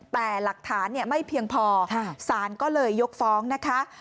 แต่หลักฐานไม่เพียงพอศาลก็เลยยกฟ้องนะคะ